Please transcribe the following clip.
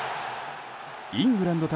イングランド対